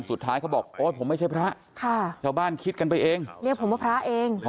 เขาบอกโอ๊ยผมไม่ใช่พระค่ะชาวบ้านคิดกันไปเองเรียกผมว่าพระเอง